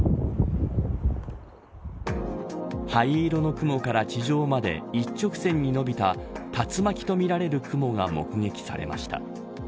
灰色の雲から地上まで一直線に伸びた竜巻とみられる雲が目撃されました。